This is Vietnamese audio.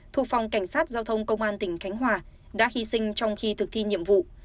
thuộc phòng cảnh sát giao thông công an tỉnh khánh hòa đã hy sinh trong khi thực thi nhiệm vụ